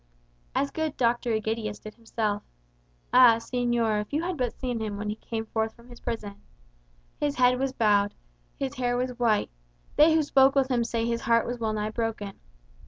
"As good Dr. Egidius did himself. Ah, señor, if you had but seen him when he came forth from his prison! His head was bowed, his hair was white; they who spoke with him say his heart was well nigh broken.